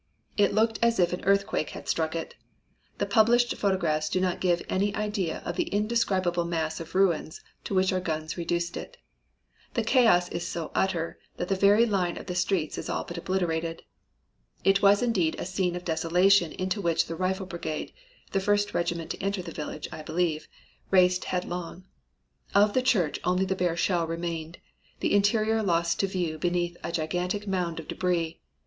It looked as if an earthquake had struck it. The published photographs do not give any idea of the indescribable mass of ruins to which our guns reduced it. The chaos is so utter that the very line of the streets is all but obliterated. "It was indeed a scene of desolation into which the Rifle Brigade the first regiment to enter the village, I believe raced headlong. Of the church only the bare shell remained, the interior lost to view beneath a gigantic mound of debris.